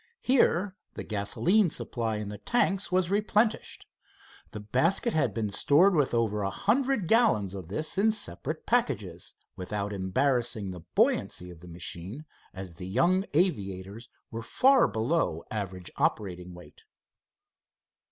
Here the gasoline supply in the tanks was replenished. The basket had been stored with over a hundred gallons of this in separate packages, without embarrassing the buoyancy of the machine, as the young aviators were far below average operating weight.